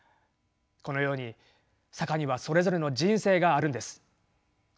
このように坂にはそれぞれの人生があるんです。